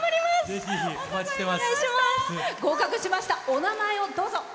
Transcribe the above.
お名前、どうぞ。